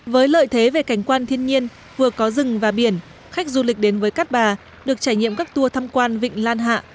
với lợi thế về cảnh quan thiên nhiên vừa có rừng và biển khách du lịch đến với cát bà được trải nghiệm các tour thăm quan vịnh lan hạ